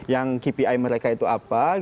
yang kpi mereka itu apa